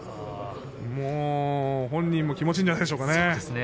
もう本人も気持ちいいんじゃないでしょうか。